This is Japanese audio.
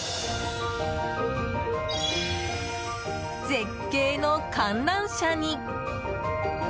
絶景の観覧車に。